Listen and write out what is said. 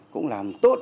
cũng làm tốt